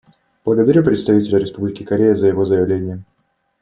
Благодарю представителя Республики Корея за его заявление.